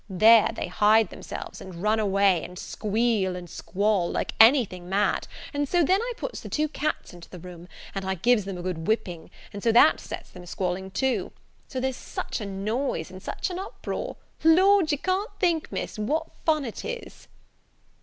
There, they hide themselves, and run away, and squeal and squall, like any thing mad: and so then I puts the two cats into the room, and I gives them a good whipping, and so that sets them a squalling too; so there's such a noise and such an uproar! Lord, you can't think, Miss, what fun it is!"